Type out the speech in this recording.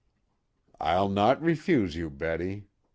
"I'll not refuse you, Betty.